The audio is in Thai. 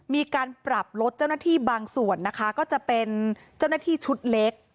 มีการปรับลดเจ้าหน้าที่บางส่วนนะคะก็จะเป็นเจ้าหน้าที่ชุดเล็ก